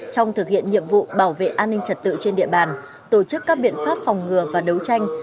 trong thực hiện nhiệm vụ bảo vệ an ninh trật tự trên địa bàn tổ chức các biện pháp phòng ngừa và đấu tranh